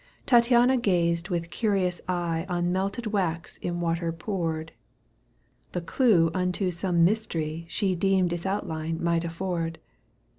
Tattiana gazed with curious eye On melted wax in water poured ; The clue unto some mystery She deemed its outline might afford.